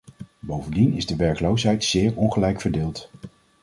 Bovendien is de werkloosheid zeer ongelijk verdeeld.